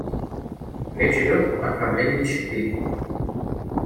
Речь идет о проблеме нищеты.